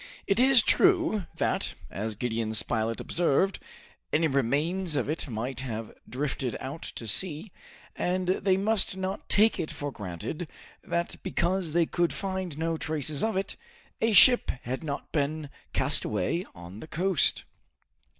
It is true that, as Gideon Spilett observed, any remains of it might have drifted out to sea, and they must not take it for granted that because they could find no traces of it, a ship had not been castaway on the coast.